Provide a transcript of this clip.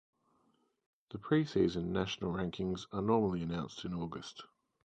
The preseason national rankings are normally announced in August.